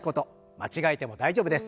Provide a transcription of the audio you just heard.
間違えても大丈夫です。